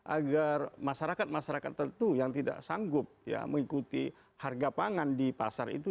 agar masyarakat masyarakat tentu yang tidak sanggup mengikuti harga pangan di pasar itu